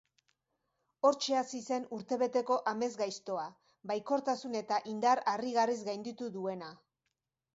Hortxe hasi zen urtebeteko amesgaiztoa, baikortasun eta indar harrigarriz gainditu duena.